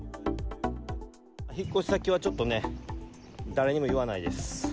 引っ越し先はちょっとね、誰にも言わないです。